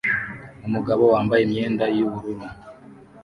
Umugabo wambaye imyenda yubururu